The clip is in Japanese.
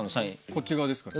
こっち側ですから。